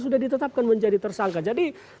sudah ditetapkan menjadi tersangka jadi